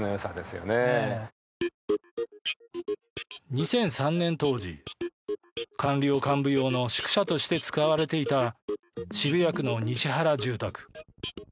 ２００３年当時、官僚幹部用の宿舎として使われていた渋谷区の西原住宅。